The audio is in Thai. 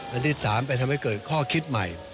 อันที่๓ไปทำให้เกิดข้อคิดใหม่